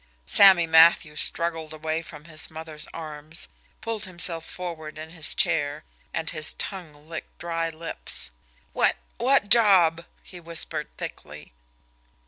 Sammy Matthews struggled away from his mother's arms, pulled himself forward in his chair and his tongue licked dry lips. "What what job?" he whispered thickly.